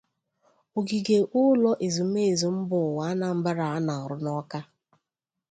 ogige ụlọ ezumezu mba ụwa Anambra a na-arụ n'Awka